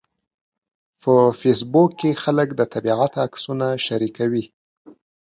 په فېسبوک کې خلک د طبیعت عکسونه شریکوي